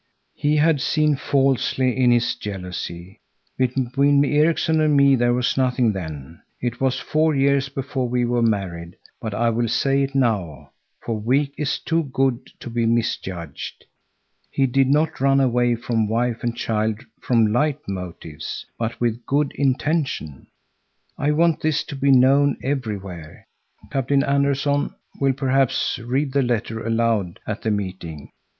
"He had seen falsely in his jealousy. Between Erikson and me there was nothing then. It was four years before we were married; but I will say it now, for Wik is too good to be misjudged. He did not run away from wife and child from light motives, but with good intention. I want this to be known everywhere. Captain Anderson will perhaps read the letter aloud at the meeting.